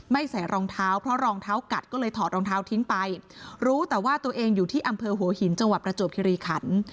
ใส่รองเท้าเพราะรองเท้ากัดก็เลยถอดรองเท้าทิ้งไปรู้แต่ว่าตัวเองอยู่ที่อำเภอหัวหินจังหวัดประจวบคิริขัน